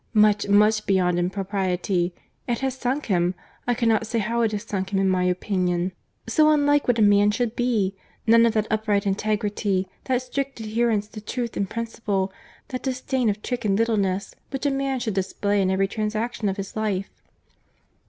Much, much beyond impropriety!—It has sunk him, I cannot say how it has sunk him in my opinion. So unlike what a man should be!—None of that upright integrity, that strict adherence to truth and principle, that disdain of trick and littleness, which a man should display in every transaction of his life."